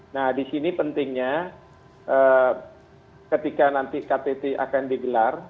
nah di sini pentingnya ketika nanti ktt akan digelar